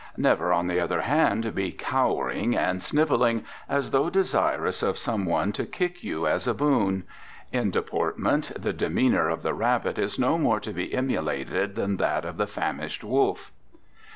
Never, on the other hand, be cowering and sniveling, as though desirous of some one to kick you as a boon. In deportment, the demeanor of the rabbit is no more to be emulated than that of the famished wolf.